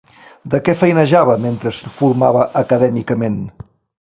De què feinejava mentre es formava acadèmicament?